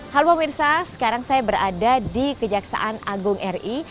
halo pemirsa sekarang saya berada di kejaksaan agung ri